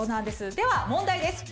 では問題です。